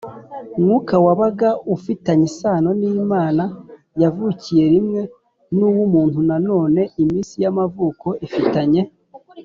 Mwuka wabaga ufitanye isano n imana yavukiye rimwe n uwo muntu nanone iminsi y amavuko ifitanye